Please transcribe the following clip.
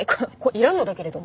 いらんのだけれども。